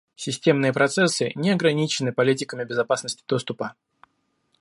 Системные процессы не ограничены политиками безопасности доступа